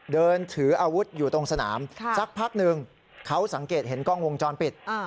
เดินถืออาวุธอยู่ตรงสนามสักพักหนึ่งเขาสังเกตเห็นกล้องวงจรปิด